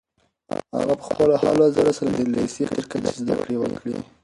هغه په خپلو هلو ځلو سره د لیسې تر کچې زده کړې وکړې.